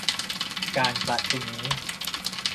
การประชุมนี้